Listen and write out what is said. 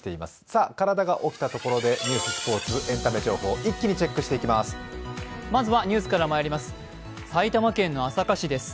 さあ、体が起きたところで、ニュース、スポーツ、エンタメ一気にチェックしていきます。